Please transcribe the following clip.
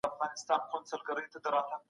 دا پس انداز به په مولدو برخو کي ولګول سي.